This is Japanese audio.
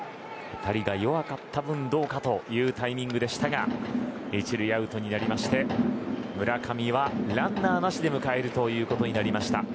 当たりが弱かった分どうかというタイミングでしたが１塁、アウトになりまして村上がランナーなしで迎えるということになりました。